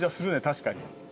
確かに。